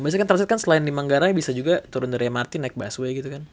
biasanya kan transit kan selain di manggarai bisa juga turun dari mrt naik busway gitu kan